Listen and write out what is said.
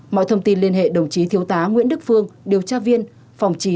mọi thông tin liên hệ đồng chí thiếu tá nguyễn đức phương điều tra viên phòng chín